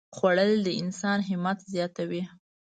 خوړل د انسان همت زیاتوي